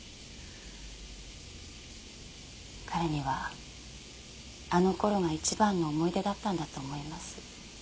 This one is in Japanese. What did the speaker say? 彼にはあの頃が一番の思い出だったんだと思います。